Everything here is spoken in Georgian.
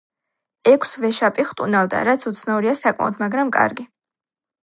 ექვს ვეშაპი ხტუნავდა, რაც უცნაურია საკმაოდ, მაგრამ კარგი.